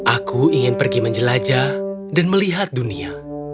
aku ingin pergi menjelajah dan melihat dunia